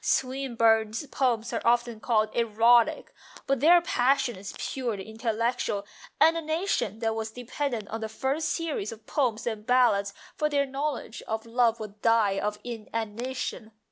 Swinburne's poems are often called erotic, but their passion is purely intellectual, and a nation that was dependent on the first series of Poems and Ballads for their knowledge of love would die of inanition.